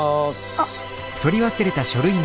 あっ。